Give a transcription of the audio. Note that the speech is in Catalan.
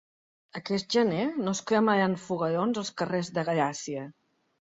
Aquest gener no es cremaran foguerons als carrers de Gràcia.